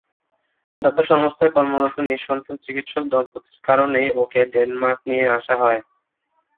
দাতা সংস্থায় কর্মরত নিঃসন্তান চিকিৎসক দম্পতির কারণেই ওকে ডেনমার্কে নিয়ে আসা হয়।